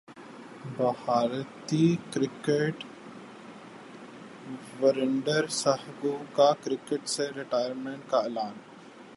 بھارتی کرکٹر وریندر سہواگ کا کرکٹ سے ریٹائرمنٹ کا اعلان